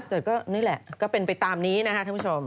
จดก็นี่แหละก็เป็นไปตามนี้นะครับท่านผู้ชม